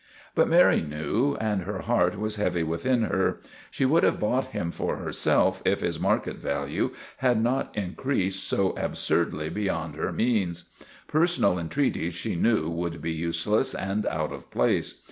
But Mary knew, and her heart was heavy within her. She would have bought him for herself if his market value had not increased so absurdly beyond her means. Personal entreaties, she knew, would be useless and out of place.